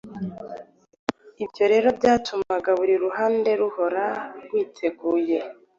Ibyo rero byatumaga buri ruhande ruhora rwiteguye.